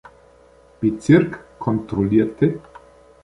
Bezirk kontrollierte.